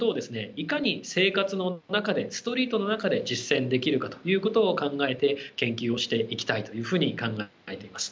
いかに生活の中でストリートの中で実践できるかということを考えて研究をしていきたいというふうに考えています。